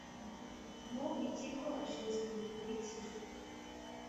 Mu Ikigo Ashinzwe ibi bikurikira